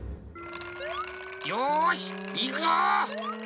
よしいくぞ！